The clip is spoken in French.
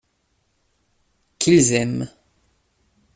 Qu’ils aiment.